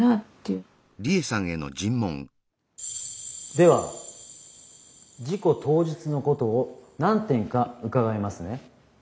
では事故当日のことを何点か伺いますね。